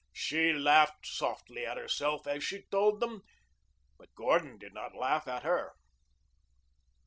She laughed softly at herself as she told them, but Gordon did not laugh at her.